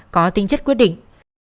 có tính chất quyết định